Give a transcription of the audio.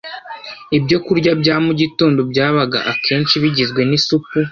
Ibyokurya bya mugitondo byabaga akenshi bigizwe n’isupu,